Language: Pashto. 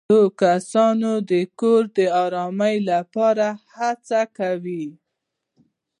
زاړه کسان د کور د ارامۍ لپاره هڅې کوي